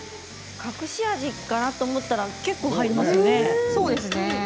隠し味かと思ったら結構、入りますね。